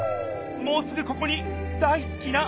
もうすぐここに大すきな